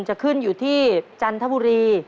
จะขึ้นอยู่ที่จันทบุรี